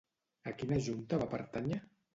A quina junta va pertànyer?